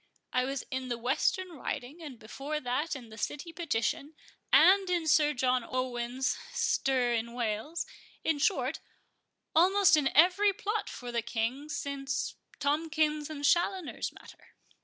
I was in the Western Riding; and before that, in the City Petition, and in Sir John Owen's stir in Wales; in short, almost in every plot for the King, since Tomkins and Challoner's matter."